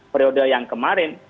periode yang kemarin